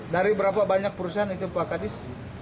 dari berapa banyak perusahaan itu pak kadis